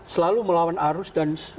selalu melawan arus dan